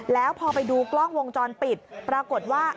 แล้วพอไปดูกล้องวงจรปิดปรากฏว่า